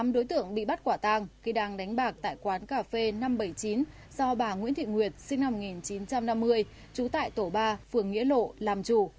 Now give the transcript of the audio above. tám đối tượng bị bắt quả tang khi đang đánh bạc tại quán cà phê năm trăm bảy mươi chín do bà nguyễn thị nguyệt sinh năm một nghìn chín trăm năm mươi trú tại tổ ba phường nghĩa lộ làm chủ